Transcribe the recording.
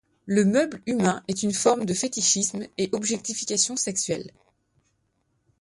Le meuble humain est une forme de fétichisme et objectification sexuelle.